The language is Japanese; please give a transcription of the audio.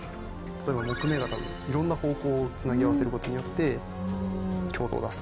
木目が多分いろんな方向をつなぎ合わせることによって強度を出す。